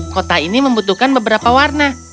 kota ini membutuhkan beberapa warna